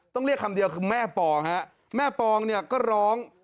เรียกคำเดียวคือแม่ปองฮะแม่ปองเนี่ยก็ร้อง